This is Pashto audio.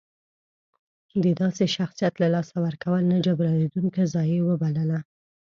د داسې شخصیت له لاسه ورکول نه جبرانېدونکې ضایعه وبلله.